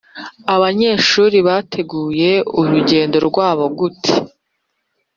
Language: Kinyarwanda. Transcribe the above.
abanyeshuri bateguye urugendo rwabo gute?